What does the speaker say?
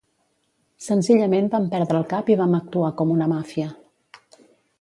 Senzillament vam perdre el cap i vam actuar com una màfia.